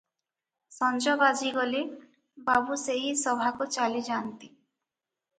ସଞ୍ଜ ବାଜିଗଲେ ବାବୁ ସେହି ସଭାକୁ ଚାଲିଯାନ୍ତି ।